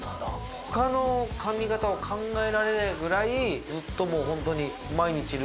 他の髪形を考えられないぐらいずっともうホントに。